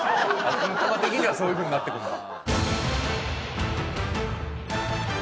キンタマ的にはそういうふうになってくるのか。